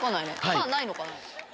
歯ないのかな？